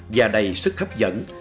và đầy sức hấp dẫn